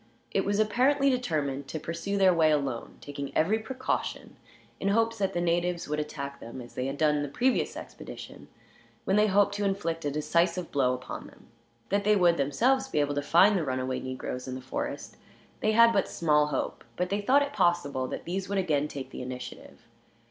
It was apparently determined to pursue their way alone, taking every precaution, in hopes that the natives would attack them as they had done the previous expedition; when they hoped to inflict a decisive blow upon them. That they would, themselves, be able to find the run away negroes in the forest they had but small hope; but they thought it possible that these would again take the initiative.